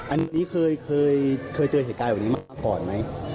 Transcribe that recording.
อันนี้เคยเจอเหตุการณ์แบบนี้มาก่อนไหม